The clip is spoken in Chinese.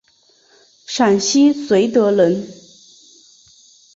陕西绥德人。